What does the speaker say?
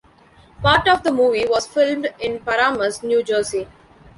Part of the movie was filmed in Paramus, New Jersey.